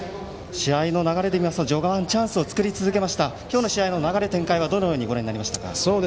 試合の流れでいいますと序盤、チャンスを作り続けましたが今日の試合の流れはどう見ましたか。